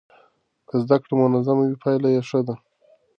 که زده کړه منظمه وي پایله یې ښه ده.